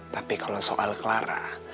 tapi kalau soal clara